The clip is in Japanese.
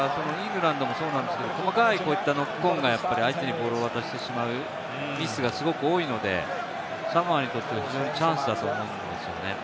きょうはイングランドもそうですが、こういったノックオンが、相手にボールを渡してしまうミスがすごく多いので、サモアにとって非常にチャンスだと思うんですよね。